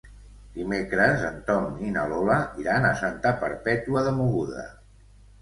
Dimecres en Tom i na Lola iran a Santa Perpètua de Mogoda.